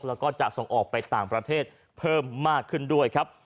แล้วก็จะส่งออกไปต่างประเทศเพิ่มมากขึ้นด้วยครับ